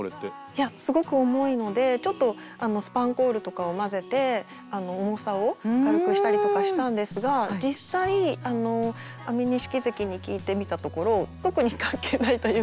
いやすごく重いのでちょっとスパンコールとかを交ぜて重さを軽くしたりとかしたんですが実際安美錦関に聞いてみたところ特に関係ないというか。